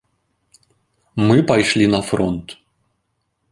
Мы пайшлі на фронт.